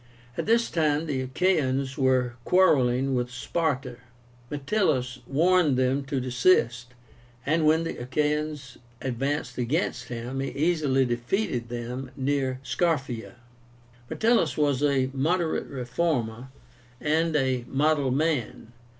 At this time the Achaeans were quarrelling with Sparta. Metellus warned them to desist, and when the Achaeans advanced against him, he easily defeated them near SCARPHEIA. Metellus was a moderate reformer and a model man.